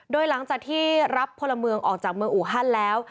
โดยหลังจากที่รับพลเมืองออกจากเมืองอูฮันแล้ว